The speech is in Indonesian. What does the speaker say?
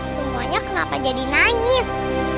semuanya kenapa jadi nangis